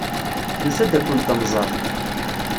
Nusa-d ad kent-nẓer.